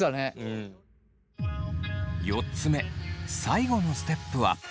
４つ目最後のステップは。